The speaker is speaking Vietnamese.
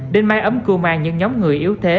đến mai ấm cưu mang những nhóm người yếu thế